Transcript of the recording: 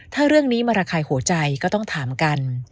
ถ้าเรื่องนี้มาระคายหัวใจก็ต้องถามกัน